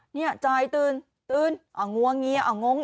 นี่ยจ่อยตื่นตื่นเอาง้วงเหงียเอางงอีกไง